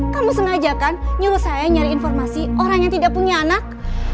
kamu sengaja kan nyuruh saya nyari informasi orang yang tidak punya anak